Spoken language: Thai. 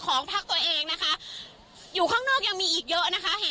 ของพักตัวเองนะคะอยู่ข้างนอกยังมีอีกเยอะนะคะเห็น